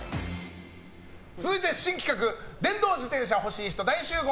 続いては新企画電動自転車ほしい人大集合！